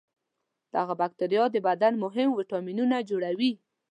دغه بکتریا د بدن مهم ویتامینونه جوړوي.